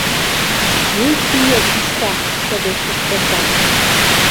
— Ых, ия тӱшка! — шыдешкыш комбат.